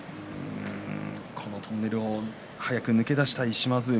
このトンネルを早く抜け出したい島津海。